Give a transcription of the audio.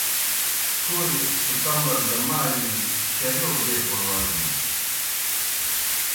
ہوریْ ستمبر دہ مالِیؤجیْ شرِیؤ بیکوڑ وزنَن۔